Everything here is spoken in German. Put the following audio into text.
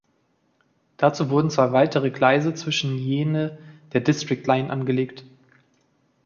Dazu wurden zwei weitere Gleise zwischen jene der District Line angelegt.